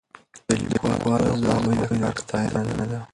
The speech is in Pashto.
د لیکوالو ورځ د هغوی د کار ستاینه ده.